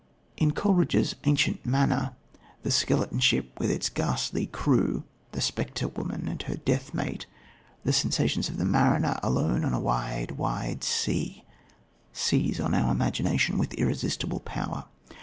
In Coleridge's Ancient Manner the skeleton ship with its ghastly crew the spectre woman and her deathmate the sensations of the mariner, alone on a wide, wide sea, seize on our imagination with irresistible power.